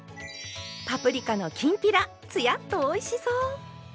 パプリカのきんぴらつやっとおいしそう！